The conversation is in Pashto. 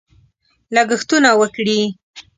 لګښتونه وکړي.